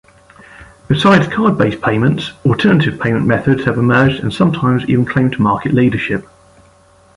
Besides card-based payments, alternative payment methods have emerged and sometimes even claimed market leadership.